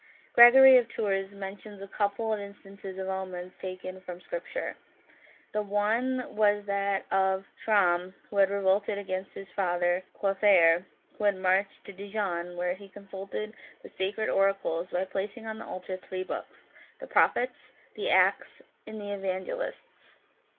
Gregory of Tours mentions a couple of in stances of omens taken from Scripture. The one was that of Chramm, who had revolted against his father Clothaire, and who marched to Dijon, where he consulted the Sacred Oracles, by placing on the altar three books, the Prophets, the Acts, and the Evangelists.